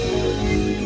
saya harus menghargai